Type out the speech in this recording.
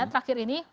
ya terakhir ini